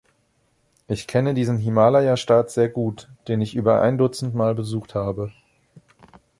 Ich kenne diesen Himalaya-Staat sehr gut, den ich über ein Dutzend Mal besucht habe.